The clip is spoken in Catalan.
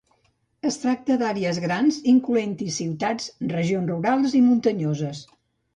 Es tracta d'àrees grans incloent-hi ciutats, regions rurals i muntanyoses.